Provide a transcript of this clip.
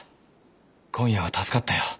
今夜は助かったよ。